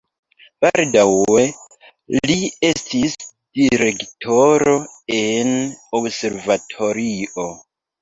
Baldaŭe li estis direktoro en observatorio.